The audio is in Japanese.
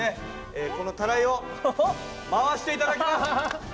このたらいを回して頂きます！